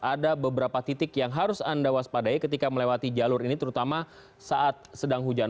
ada beberapa titik yang harus anda waspadai ketika melewati jalur ini terutama saat sedang hujan